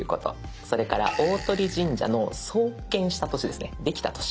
それから大鳥神社の創建した年ですねできた年。